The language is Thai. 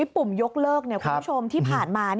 ปุ่มยกเลิกคุณผู้ชมที่ผ่านมา